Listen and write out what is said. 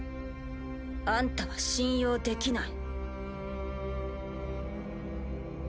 あんたは信用できない。